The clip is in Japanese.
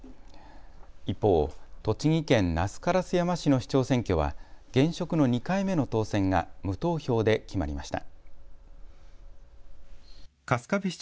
一方、栃木県那須烏山市の市長選挙は現職の２回目の当選が無投票で決まりました。